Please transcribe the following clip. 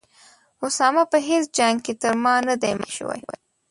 اسامه په هیڅ جنګ کې تر ما نه دی مخکې شوی.